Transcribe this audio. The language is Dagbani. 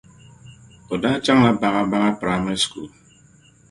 O daa chaŋla Bagabaga primary school.